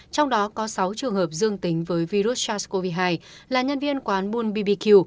trong đó có sáu trường hợp dương tính với virus sars cov hai là nhân viên quán bull bbq